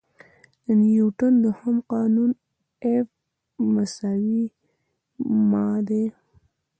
د نیوټن دوهم قانون F=ma دی.